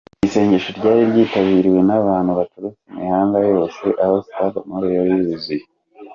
Ni isengesho ryari ryitabiriwe n’abantu baturutse imihanda yose aho Stade Amahoro yari yuzuye.